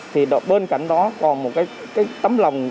thì bên cạnh đó còn một tấm lòng